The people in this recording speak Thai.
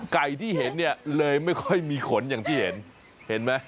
ไก่ที่เห็นเนี่ยเลยไม่ค่อยมีขนอย่างที่เห็นเห็นไหม